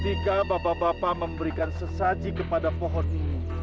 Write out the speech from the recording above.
ketika bapak bapak memberikan sesaji kepada pohon ini